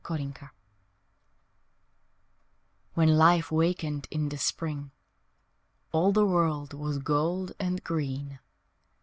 Gold WHEN life wakened in the Spring All the world was gold and green!